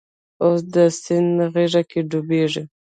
اوس د سیند غیږ کې ډوبیږې